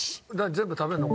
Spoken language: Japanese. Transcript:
全部食べんの？